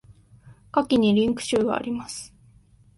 下記にリンク集があります。